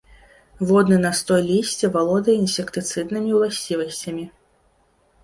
Водны настой лісця валодае інсектыцыднымі ўласцівасцямі.